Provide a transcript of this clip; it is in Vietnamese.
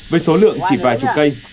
với số lượng chỉ vài chục cây